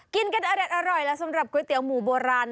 กินกันอเด็ดอร่อยแล้วสำหรับก๋วยเตี๋ยหมูโบราณ